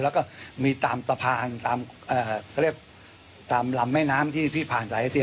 แล้วก็มีตามสะพานตามลำแม่น้ำที่ผ่านสายเอเชีย